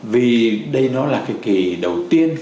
vì đây nó là cái kỳ đầu tiên